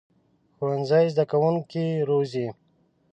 ښوونځی زده کوونکي روزي